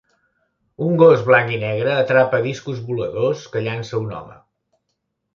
Un gos blanc i negre atrapa discos voladors que llança un home.